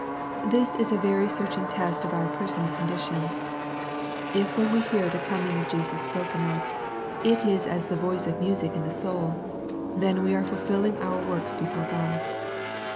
This is a very searching test of our personal condition. If when we hear the coming of Jesus spoken of, it is as the voice of music in the soul, then are we fulfilling our works be fore God.